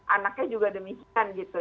anaknya juga demikian gitu